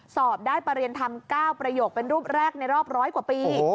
สอบได้ประเรียนธรรม๙ประโยคเป็นรูปแรกในรอบร้อยกว่าปี